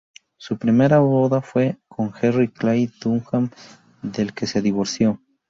Su primera boda fue con Henry Clay Dunham, del que se divorció.